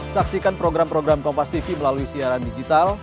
saksikan program program kompastv melalui siaran digital